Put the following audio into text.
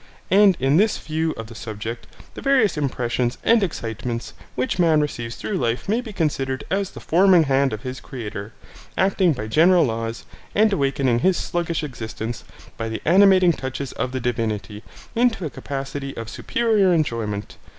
And in this view of the subject, the various impressions and excitements which man receives through life may be considered as the forming hand of his Creator, acting by general laws, and awakening his sluggish existence, by the animating touches of the Divinity, into a capacity of superior enjoyment.